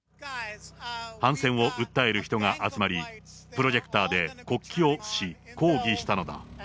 反戦を訴える人が集まり、プロジェクターで国旗を映し、抗議したのだ。